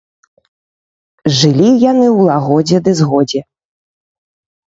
Жылі яны ў лагодзе ды згодзе.